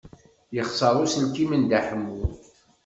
Yexṣer uselkim n Dda Ḥemmu.